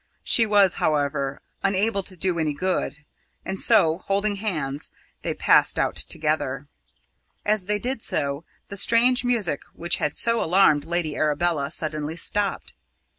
She was, however, unable to do any good, and so, holding hands, they passed out together. As they did so, the strange music which had so alarmed Lady Arabella suddenly stopped.